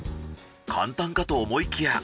簡単かと思いきや。